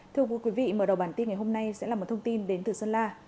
thưa quý vị mở đầu bản tin ngày hôm nay sẽ là một thông tin đến từ sơn la